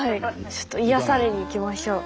ちょっと癒やされに行きましょう。